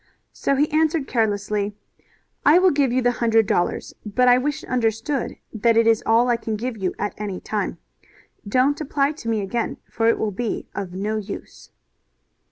So he answered carelessly: "I will give you the hundred dollars, but I wish it understood that it is all I can give you at any time. Don't apply to me again, for it will be of no use."